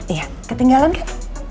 iya ketinggalan kan